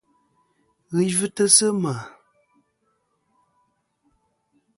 Ghi yvɨtɨ sɨ ma.